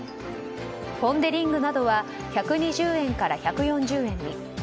ポン・デ・リングなどは１２０円から１４０円に。